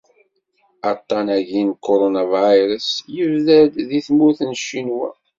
Aṭṭan-agi n Kuṛunavirus yebda-d di tmurt n ccinwa.